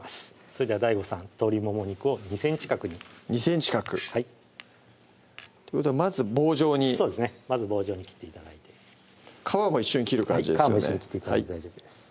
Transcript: それではＤＡＩＧＯさん鶏もも肉を２ｃｍ角に２ｃｍ角はいということはまず棒状にまず棒状に切って頂いて皮も一緒に切る感じですよね